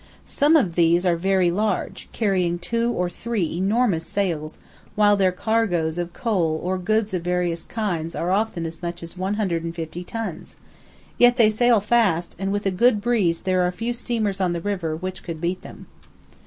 Some of these are very large, carrying two or three enormous sails, while their cargoes of coal or goods of various kinds are often as much as 150 tons; yet they sail fast, and with a good breeze there are few steamers on the river which could beat them.